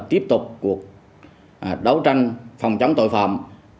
tiếp tục cuộc đấu tranh phòng chống tội phạm